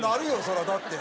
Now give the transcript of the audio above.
そりゃだって。